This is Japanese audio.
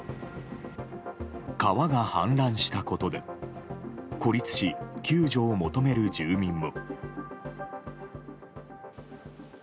川が氾濫したことで孤立し救助を求める住民も。